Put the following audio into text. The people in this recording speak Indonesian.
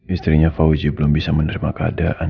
istrinya fauzi belum bisa menerima keadaan